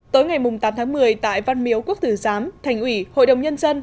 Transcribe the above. tối ngày tám tháng một mươi tại văn miếu quốc tử giám thành ủy hội đồng nhân dân